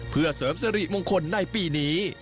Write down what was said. เพื่อเสริมสิริมงคลในปีนี้